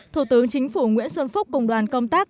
thủ tướng chính phủ nguyễn xuân phúc cùng đoàn công tác